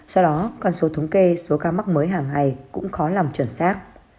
do đó con số thống kê số ca mắc mới hàng ngày cũng khó lòng chuẩn xác